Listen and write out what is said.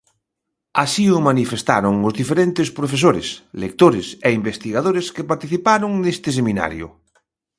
Así o manifestaron os diferentes profesores, lectores e investigadores que participaron neste seminario.